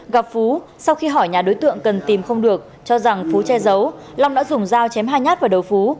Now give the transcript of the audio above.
gặp phú sau khi hỏi nhà đối tượng cần tìm không được cho rằng phú che giấu long đã dùng dao chém hai nhát vào đầu phú